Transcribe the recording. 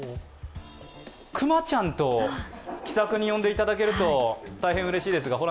熊ちゃんと、気さくに呼んでいただけると大変うれしいですが。